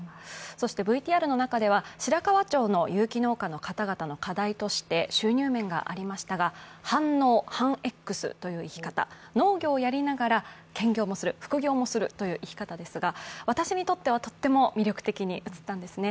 そしてＶＴＲの中では白川町の有機農家の方々の課題として収入面がありましたが、半農半Ｘという生き方、農業をやりながら兼業もする、副業もするという生き方ですが、私にとっては、とっても魅力的に映ったんですね。